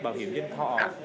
à bảo hiểm nhân thọ